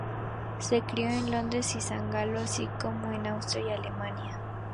Se crio en Londres y San Galo, así como en Austria y Alemania.